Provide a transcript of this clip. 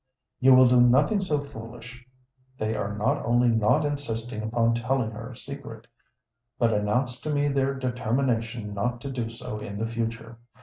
"You will do nothing so foolish. They are not only not insisting upon her telling her secret, but announced to me their determination not to do so in the future.